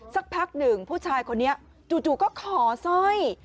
สักพักหนึ่งผู้ชายคนนี้จู่ก็ขอสร้อย